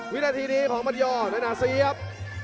วินาทีนี้ของมาตี้ยอร์หน่วยนาเสียบ